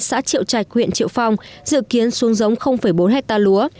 xã triệu trạch huyện triệu phong dự kiến xuống giống bốn hectare lúa